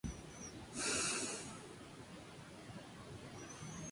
Primera de dos partes.